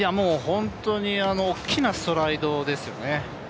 本当に大きなストライドですよね。